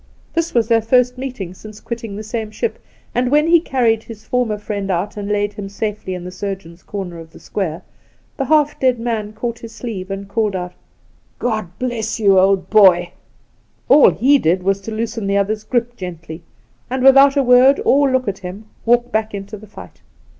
This was their first meeting since quitting the same ship, and when he carried his former friend out and laid him safely in the surgeon's corner of the square, the half dead man caught his sleeve, and called out, " God bless you, old boy 1" All he did was to loosen the other's grip gently, and, without a word or look at him, walk back into the fight.